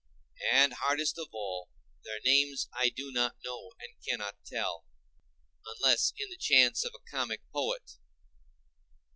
And, hardest of all, their names I do not know and cannot tell; unless in the chance of a comic poet.